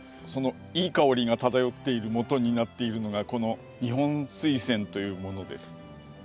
そのいい香りが漂っているもとになっているのがこの‘ニホンズイセン’というものです。